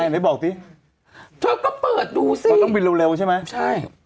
มันต้องบินเร็วใช่มั้ย